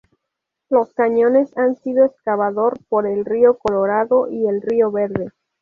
Los cañones han sido excavador por el río Colorado y el río Verde.